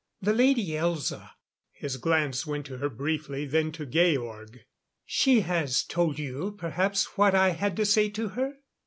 The Lady Elza " His glance went to her briefly, then to Georg. "She has told you, perhaps, what I had to say to her?"